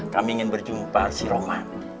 kami ingin berjumpa si roman